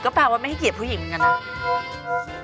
แปลว่าไม่ให้เกียรติผู้หญิงเหมือนกันนะ